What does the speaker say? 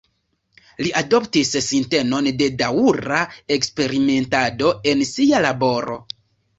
Li adoptis sintenon de daŭra eksperimentado en sia laboro.